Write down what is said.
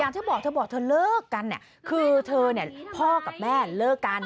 เธอบอกเธอบอกเธอเลิกกันเนี่ยคือเธอเนี่ยพ่อกับแม่เลิกกัน